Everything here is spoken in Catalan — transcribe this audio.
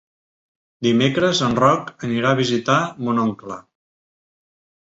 Dimecres en Roc anirà a visitar mon oncle.